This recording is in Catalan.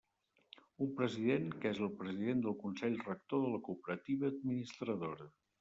Un president, que és el president del consell rector de la cooperativa administradora.